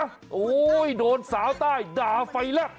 โอ้โหโดนสาวใต้ด่าไฟแลก